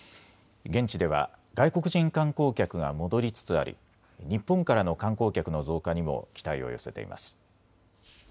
現地では外国人観光客が戻りつつあり日本からの観光客の増加にも期待を寄せています。